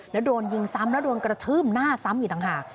แล้วโดนยิงซ้ำแล้วโดนกระทืบหน้าซ้ำอีกต่างหาก